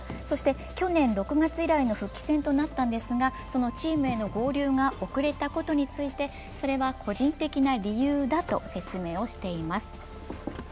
そして去年６月以来の復帰戦となったんですがそのチームへの合流が遅れたことについて、個人的な理由だと説明しています。